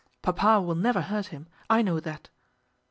Papa will never hurt him; I know that.